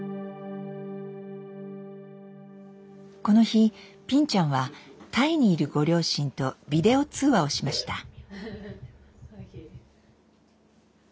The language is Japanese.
この日ぴんちゃんはタイにいるご両親とビデオ通話をしました。